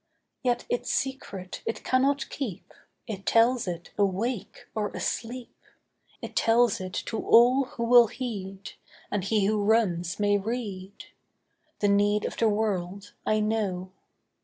Yet its secret it can not keep; It tells it awake, or asleep, It tells it to all who will heed, And he who runs may read. The need of the world I know.